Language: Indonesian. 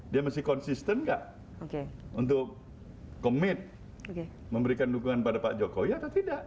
dia masih konsisten tidak untuk berkomitmen memberikan dukungan kepada pak jokowi atau tidak